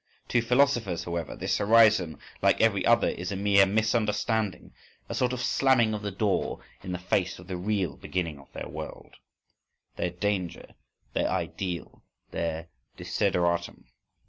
To philosophers, however, this horizon, like every other, is a mere misunderstanding, a sort of slamming of the door in the face of the real beginning of their world,—their danger, their ideal, their desideratum.